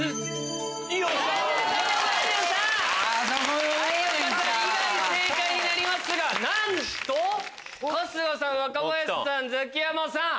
有岡さん以外正解になりますがなんと春日さん若林さんザキヤマさん。